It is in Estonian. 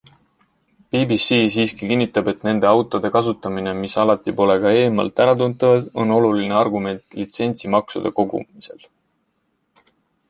BBC siiski kinnitab, et nende autode kasutamine, mis alati pole ka eemalt äratuntavad, on oluline argument litsentsimaksude kogumisel.